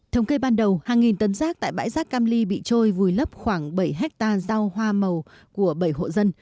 thống kê ban đầu hàng nghìn tấn rác tại bãi rác cam ly bị trôi vùi lấp khoảng bảy hectare rau hoa màu của bảy hộ dân